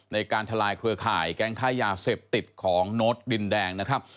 ทลายเครือข่ายแก๊งค้ายาเสพติดของโน้ตดินแดงนะครับ